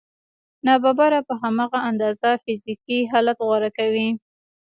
ناببره په هماغه اندازه فزیکي حالت غوره کوي